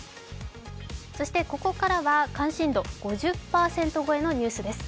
そしてここからは関心度５０％超えのニュースです。